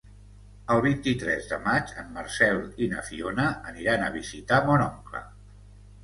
El vint-i-tres de maig en Marcel i na Fiona aniran a visitar mon oncle.